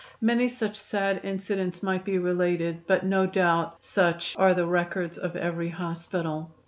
Many such sad incidents might be related, but no doubt such are the records of every hospital.